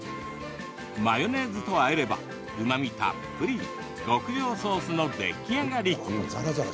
マヨネーズとあえればうまみたっぷり極上ソースの出来上がり。